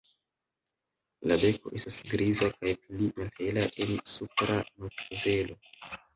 La beko estas griza kaj pli malhela en supra makzelo.